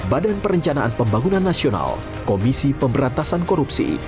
badan perencanaan pembangunan nasional komisi pemberantasan korupsi